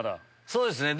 そうですね。